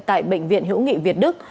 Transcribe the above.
tại bệnh viện hữu nghị việt đức